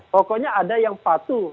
pokoknya ada yang patuh